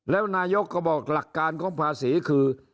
แล้วนายกก็บอกหลักการของภาษีคือ